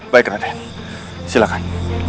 baik raden silakan